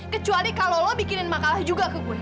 kecuali kalau lo bikinin makalah juga ke gue